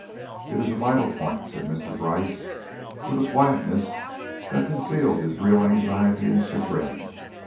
"It is a vital point," said Mr. Gryce, with a quietness that concealed his real anxiety and chagrin.